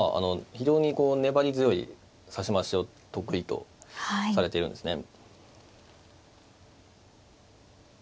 非常に粘り強い指し回しを得意とされているんですね。